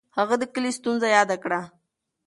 هغه د کلي ستونزه یاده کړه.